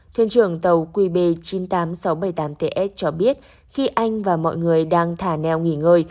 thuyền trưởng tàu qb chín mươi tám nghìn sáu trăm bảy mươi tám ts cho biết khi anh và mọi người đang thả neo nghỉ ngơi